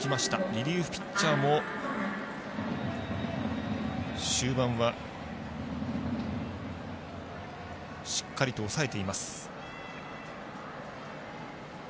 リリーフピッチャーも終盤はしっかりと抑えています。